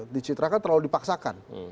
dicitrakan terlalu dipaksakan